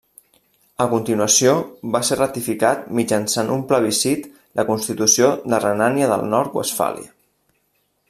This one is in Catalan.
A continuació, va ser ratificat mitjançant un plebiscit la Constitució de Renània del Nord-Westfàlia.